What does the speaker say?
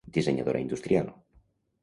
Dissenyadora industrial.